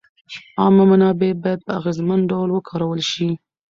عامه منابع باید په اغېزمن ډول وکارول شي.